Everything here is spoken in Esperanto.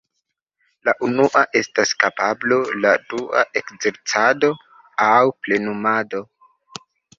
La unua estas kapablo, la dua ekzercado aŭ plenumado.